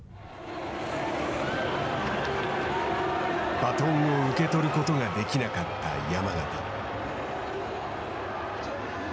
バトンを受け取ることができなかった山縣。